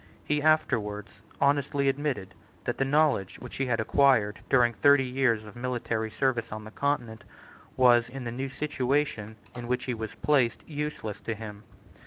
He afterwards honestly admitted that the knowledge which he had acquired, during thirty years of military service on the Continent, was, in the new situation in which he was placed, useless to him.